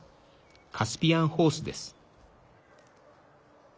カスピアンホースです。